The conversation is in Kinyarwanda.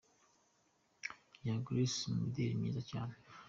Young Grace mu muderi mwiza cyane.